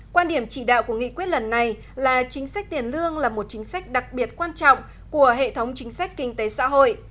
quan điểm chỉ đạo của nghị quyết lần này là chính sách tiền lương là một chính sách đặc biệt quan trọng của hệ thống chính sách kinh tế xã hội